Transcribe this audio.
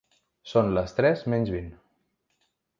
Són les tres menys vint.